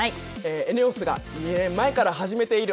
ＥＮＥＯＳが２年前から始めている